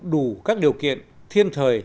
đủ các điều kiện thiên thời